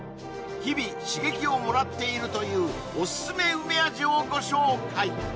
日々刺激をもらっているというおすすめ梅味をご紹介！